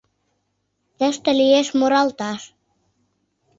Тыште лиеш муралташ